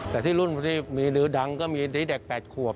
แต่ที่รุ่นที่มีเนื้อดังก็มีพี่แต๊ก๘ครับ